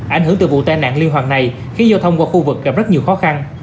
ảnh hưởng từ vụ tai nạn liên hoàn này khiến giao thông qua khu vực gặp rất nhiều khó khăn